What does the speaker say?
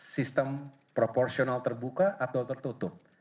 sistem proporsional terbuka atau tertutup